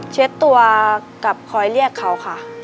เช็ดตัวกับคอยเรียกเขาค่ะ